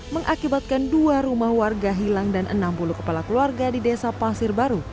mengakibatkan dua rumah warga hilang dan enam puluh kepala keluarga di desa pasir baru